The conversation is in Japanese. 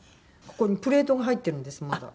ここにプレートが入ってるんですまだ。